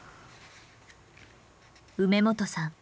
梅元さん